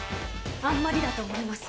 あんまりだと思います。